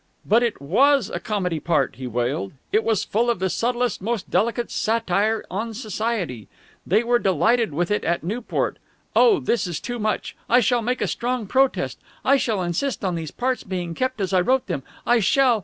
"But it was a comedy part!" he wailed. "It was full of the subtlest, most delicate satire on Society. They were delighted with it at Newport! Oh, this is too much! I shall make a strong protest! I shall insist on these parts being kept as I wrote them! I shall....